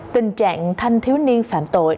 tình trạng thanh thiếu niên phạm tội